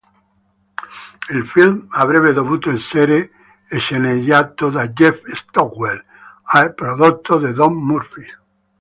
Il film avrebbe dovuto essere sceneggiato da Jeff Stockwell e prodotto da Don Murphy.